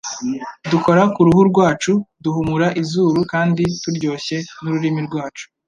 dukora ku ruhu rwacu duhumura izuru kandi turyoshye n'ururimi rwacu